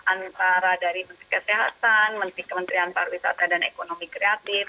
antara dari menteri kesehatan menteri kementerian pariwisata dan ekonomi kreatif